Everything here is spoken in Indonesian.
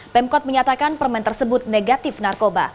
pemkot menyatakan permen tersebut negatif narkoba